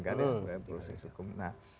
kan yang proses hukum nah